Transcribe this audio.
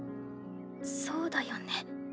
そうだよね。